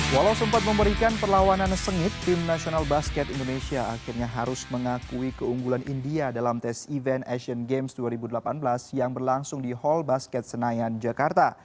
walau sempat memberikan perlawanan sengit tim nasional basket indonesia akhirnya harus mengakui keunggulan india dalam tes event asian games dua ribu delapan belas yang berlangsung di hall basket senayan jakarta